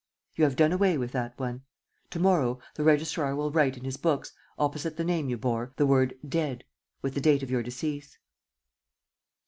You have done away with that one. To morrow, the registrar will write in his books, opposite the name you bore, the word 'Dead,' with the date of your decease."